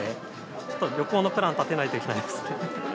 ちょっと旅行のプラン立てないといけないですね。